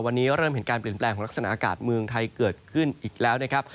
วันนี้เริ่มเห็นการเปลี่ยนแปลงของลักษณะอากาศเมืองไทยเกิดขึ้นอีกแล้วนะครับ